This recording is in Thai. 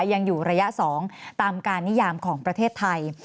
ยังอยู่ระยะ๒ตามการนิยามของประเทศไทย